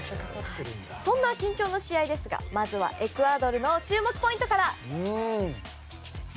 そんな緊張の試合ですがまずエクアドルの注目ポイントから。